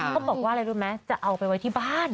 เขาบอกว่าอะไรรู้ไหมจะเอาไปไว้ที่บ้าน